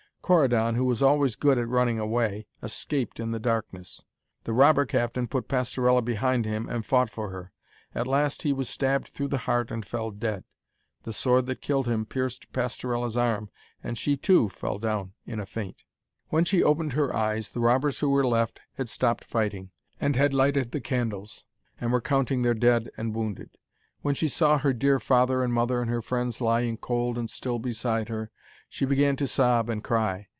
Corydon, who was always good at running away, escaped in the darkness. The robber captain put Pastorella behind him, and fought for her. At last he was stabbed through the heart and fell dead. The sword that killed him pierced Pastorella's arm, and she, too, fell down in a faint. When she opened her eyes the robbers who were left had stopped fighting, and had lighted the candles, and were counting their dead and wounded. When she saw her dear father and mother and her friends lying cold and still beside her, she began to sob and cry.